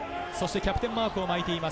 キャプテンマークを巻いています